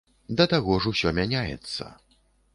Да таго ж усё мяняецца.